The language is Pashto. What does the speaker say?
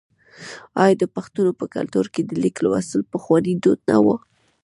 آیا د پښتنو په کلتور کې د لیک لوستل پخوانی دود نه و؟